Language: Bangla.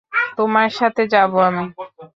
তোমার সাথে যাব আমি।